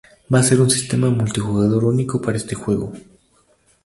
Va a ser un sistema multijugador único para este juego.